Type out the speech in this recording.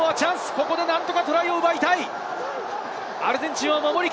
ここで何とか得点を奪いたい。